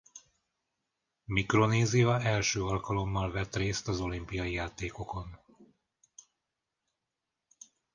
Mikronézia első alkalommal vett részt az olimpiai játékokon.